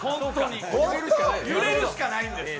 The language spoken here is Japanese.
揺れるしかないんです。